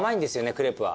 クレープは。